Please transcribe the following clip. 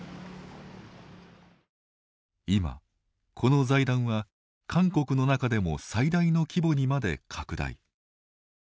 今、この財団は韓国の中でも最大の規模にまで拡大。